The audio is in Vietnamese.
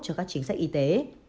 cho các chính sách y tế